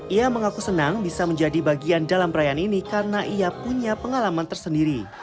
ia mengaku senang bisa menjadi bagian dalam perayaan ini karena ia punya pengalaman tersendiri